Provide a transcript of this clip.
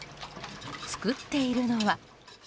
作っているのは。